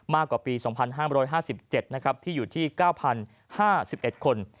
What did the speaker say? มากกว่าปี๒๕๕๗ที่อยู่ที่๙๐๕๑คน